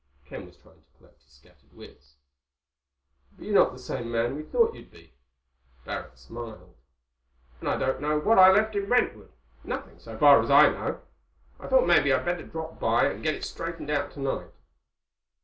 Ken was trying to collect his scattered wits. "But you're not the man we thought you'd be." Barrack smiled. "And I don't know what I left in Brentwood. Nothing, so far as I know. I thought maybe I'd better drop by and get it straightened out tonight."